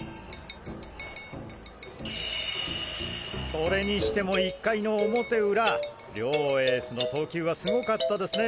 それにしても１回の表裏両エースの投球はすごかったですね